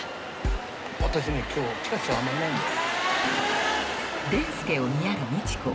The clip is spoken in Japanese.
私ね今日キャッシュあんまりないんだよ。